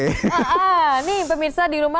ini pemirsa di rumah